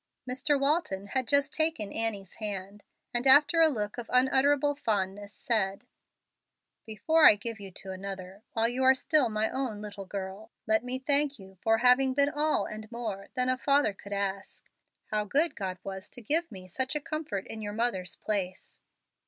Mr. Walton had just taken Annie's hands, and after a look of unutterable fondness, said, "Before I give you to another while you are still my own little girl let me thank you for having been all and more than a father could ask. How good God was to give me such a comfort in your mother's place!"